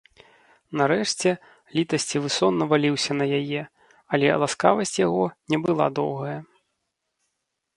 Нарэшце літасцівы сон наваліўся на яе, але ласкавасць яго не была доўгая.